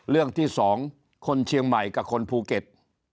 เรื่องที่๒คนเชียงใหม่กับคนภูเก็ต